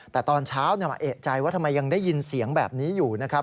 แต่ตอนเช้ามาเอกใจว่าทำไมยังได้ยินเสียงแบบนี้อยู่นะครับ